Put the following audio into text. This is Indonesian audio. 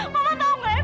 mama tahu tidak